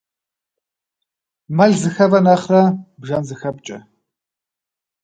Мэл зыхэвэ нэхърэ бжэн зыхэпкӏэ.